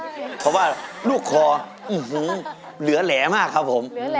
เพราะว่าลูกคอเหลือแหลมากครับผม